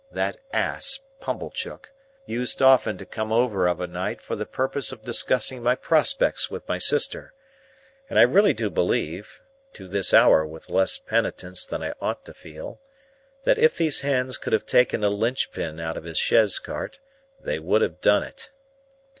That ass, Pumblechook, used often to come over of a night for the purpose of discussing my prospects with my sister; and I really do believe (to this hour with less penitence than I ought to feel), that if these hands could have taken a linchpin out of his chaise cart, they would have done it.